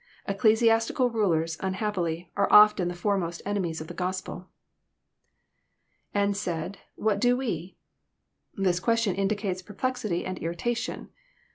Ecclesiastical rulers, un happily, are often the foremost enemies of the Gospel. [^And said, WJiat do we?"] This question indicates perplexity and irritation.